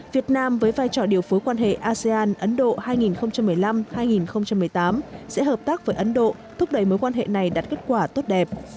việt nam với vai trò điều phối quan hệ asean ấn độ hai nghìn một mươi năm hai nghìn một mươi tám sẽ hợp tác với ấn độ thúc đẩy mối quan hệ này đạt kết quả tốt đẹp